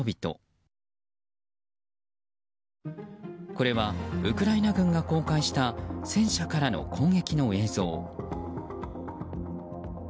これはウクライナ軍が公開した戦車からの攻撃の映像。